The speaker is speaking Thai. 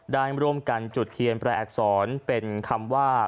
ได้ร่วมกันจุดเทียนแปรอักษรเป็นคำว่า